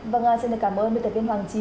vâng xin cảm ơn đối tập viên hoàng trí